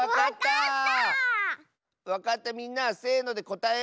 わかったみんなせのでこたえよう！